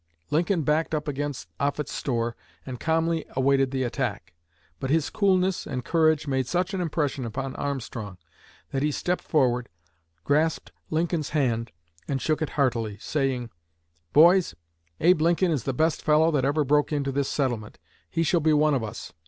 Lincoln backed up against Offutt's store and calmly awaited the attack; but his coolness and courage made such an impression upon Armstrong that he stepped forward, grasped Lincoln's hand and shook it heartily, saying: 'Boys, Abe Lincoln is the best fellow that ever broke into this settlement. He shall be one of us.'